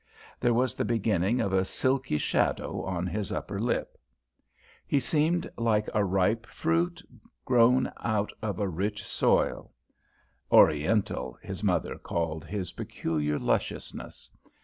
There was the beginning of a silky shadow on his upper lip. He seemed like a ripe fruit grown out of a rich soil; "oriental," his mother called his peculiar lusciousness.